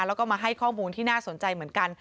แล้วก็มาให้ข้อมูลที่น่าสนใจเหมือนกัน